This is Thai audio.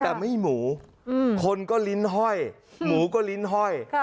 แต่ไม่หมูคนก็ลิ้นห้อยหมูก็ลิ้นห้อย